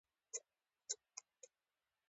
انګریزانو هر وخت د وفادارۍ سوګندونه کول.